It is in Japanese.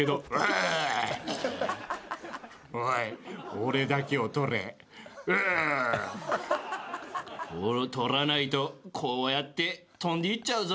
俺を撮らないとこうやって跳んでいっちゃうぞ。